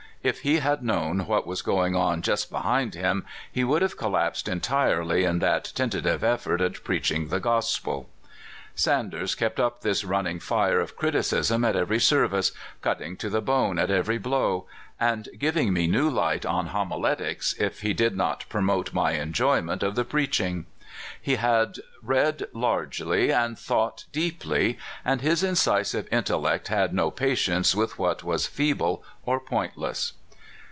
If he had known what was going on just behind him, he would have collapsed entirely in that ten tative effort at preaching the gospel. Sanders kept up this running fire of criticism at every service, cutting to the bone at every blow, and giving me new light on homiletics, if he did not promote my enjoyment of the preaching. He had read largely and thought deeply, and his in cisive intellect had no patience with what was fee ble or pointless.